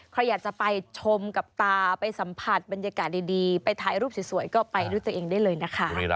ใครอยากจะไปชมกับตาไปสัมผัสบรรยากาศดีไปถ่ายรูปสวยก็ไปด้วยตัวเองได้เลยนะคะ